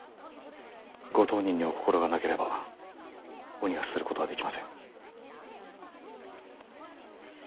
ご当人にお心がなければお逃がしすることはできません。